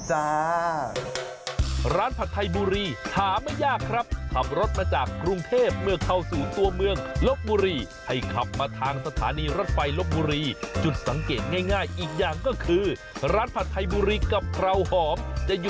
ชื่อว่าร้านผัดไทยบุรีกพร้าวหอมจ้า